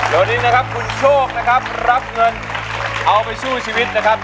วันนี้นะครับคุณโชคนะครับรับเงินเอาไปสู้ชีวิตนะครับ